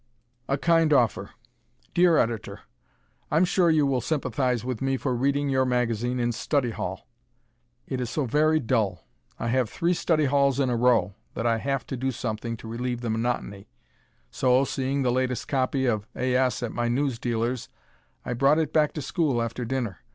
A Kind Offer Dear Editor: I'm sure you will sympathize with me for reading your magazine in study hall. It is so very dull I have three S.H.'s in a row that I have to do something to relieve the monotony, so, seeing the latest copy of A. S. at my newsdealer's, I brought it back to school after dinner.